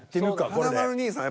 華丸兄さん